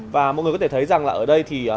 và mọi người có thể thấy rằng là ở đây thì